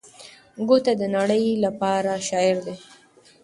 ګوته د نړۍ لپاره شاعر دی.